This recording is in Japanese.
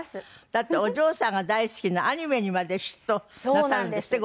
だってお嬢さんが大好きなアニメにまで嫉妬なさるんですって？